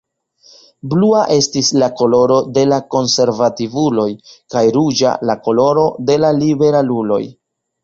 Blua estis la koloro de la konservativuloj, kaj ruĝa la koloro de la liberaluloj.